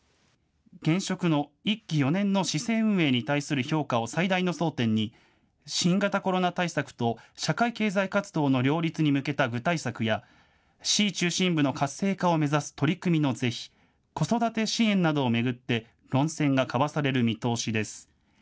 現職の１期４年の市政運営に対する評価を最大の争点に、新型コロナ対策と社会経済活動の両立に向けた具体策や、市中心部の活性化を目指す取り組みの是非、子育て支援などを巡って論戦が交わされる見通しです。